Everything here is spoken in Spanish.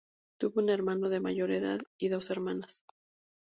Tuvo un hermano, de mayor edad, y dos hermanas.